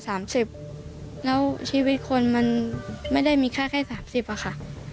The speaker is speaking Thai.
แล้วชีวิตคนมันไม่ได้มีค่าแค่สามสิบอะค่ะ